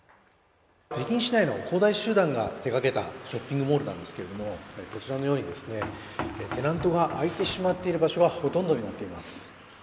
北京市内の恒大集団が手がけたショッピングモールなんですけれどもこちらのように、テナントが空いてしまっている場所がほとんどになっています。